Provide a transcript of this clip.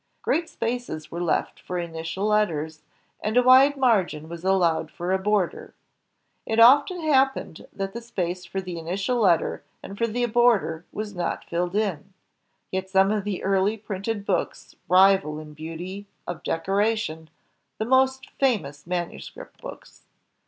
Great spaces were left for initial letters, and a wide margin was allowed for a border. It often happened that the space for the initial letter and for the border was not filled in. Yet some of the early printed books rival in beauty of decoration the most famous manuscript books.